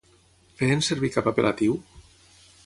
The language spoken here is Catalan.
Feien servir cap apel·latiu?